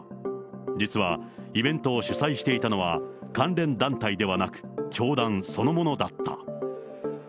実はイベントを主催していたのは、関連団体ではなく教団そのものだった。